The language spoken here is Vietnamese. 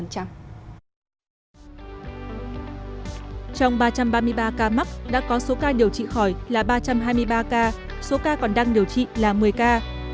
trong ba trăm ba mươi ba ca mắc đã có số ca điều trị khỏi là ba trăm hai mươi ba ca số ca còn đang điều trị là một mươi ca